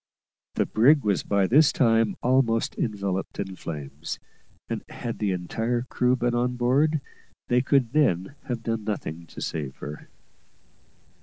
The brig was by this time almost enveloped in flames, and had the entire crew been on board, they could then have done nothing to save her.